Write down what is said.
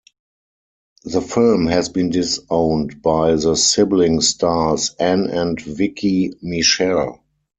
The film has been disowned by its sibling stars Ann and Vicki Michelle.